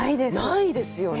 ないですよね。